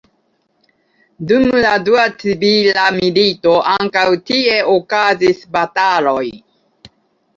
Dum la dua civila milito ankaŭ tie okazis bataloj.